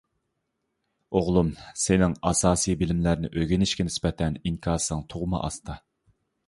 ئوغلۇم، سېنىڭ ئاساسىي بىلىملەرنى ئۆگىنىشكە نىسبەتەن ئىنكاسىڭ تۇغما ئاستا.